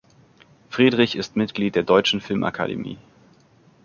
Friedrich ist Mitglied der Deutschen Filmakademie.